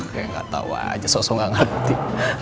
kayak nggak tau aja sok sok nggak ngerti